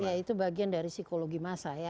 ya itu bagian dari psikologi masa ya